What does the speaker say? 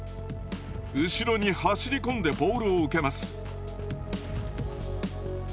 後ろに走り込んでボールを受けます。